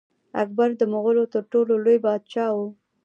اکبر د مغولو تر ټولو لوی پاچا و.